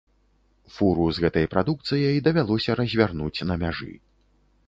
Фуру з гэтай прадукцыяй давялося развярнуць на мяжы.